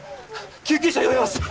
救急車呼びます